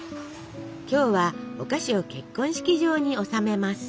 今日はお菓子を結婚式場に納めます。